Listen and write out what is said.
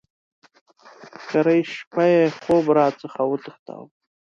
کرۍ شپه یې خوب را څخه وتښتاوه.